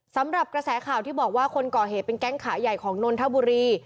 สำหรับกระแสข่าวที่บอกว่าคนก่อเหตุเป็นแก๊งขาใหญ่ของนนทบุรี